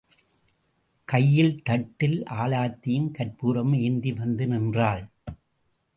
கையில் தட்டில் ஆலத்தியும் கர்ப்பூரமும் ஏந்தி வந்து நின்றாள்.